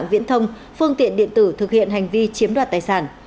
viễn thông phương tiện điện tử thực hiện hành vi chiếm đoạt tài sản